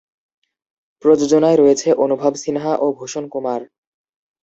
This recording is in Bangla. প্রযোজনায় রয়েছে অনুভব সিনহা ও ভূষণ কুমার।